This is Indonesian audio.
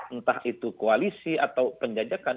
entah itu koalisi atau penjajakan